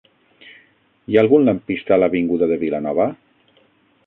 Hi ha algun lampista a l'avinguda de Vilanova?